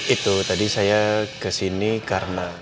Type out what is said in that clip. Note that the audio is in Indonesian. itu tadi saya ke sini karena